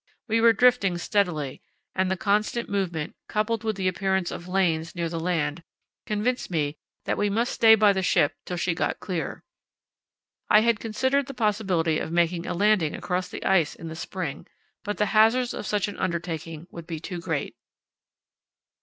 We were drifting steadily, and the constant movement, coupled with the appearance of lanes near the land, convinced me that we must stay by the ship till she got clear. I had considered the possibility of making a landing across the ice in the spring, but the hazards of such an undertaking would be too great.